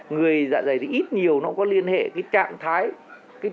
người dạ dày ít nhiều nó có liên hệ với trạng thái